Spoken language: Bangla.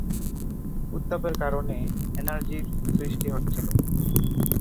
উত্তাপের কারণে এনার্জির সৃষ্টি হচ্ছিল।